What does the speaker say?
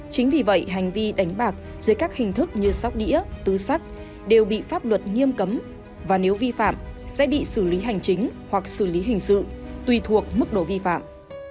chính vì vậy hành vi đánh bạc dưới các hình thức như sóc đĩa tứ sắc đều bị pháp luật nghiêm cấm và nếu vi phạm sẽ bị xử lý hành chính hoặc xử lý hình sự tùy thuộc mức độ vi phạm